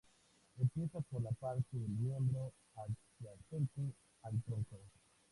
Empieza por la parte del miembro adyacente al tronco.